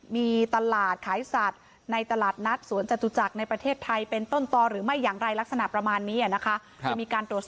มีตลาดขายสัตว์ในตลาดนัดสวนจัตรุจักร